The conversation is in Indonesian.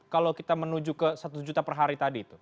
kalau kita menuju ke satu juta per hari tadi itu